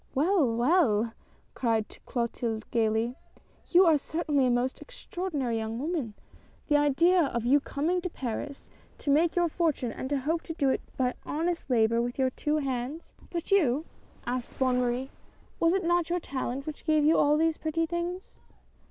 "Well! well!" cried Clotilde, gayly, "you are cer tainly a most extraordinary young woman. The idea of your coming to Paris to make your fortune, and to hope to do it by honest labor with your two hands !"" But you ?" asked Bonne Marie ;" was it not your talent which gave you all these pretty things